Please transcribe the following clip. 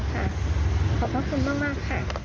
ขอบคุณมาก